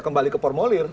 kembali ke formulir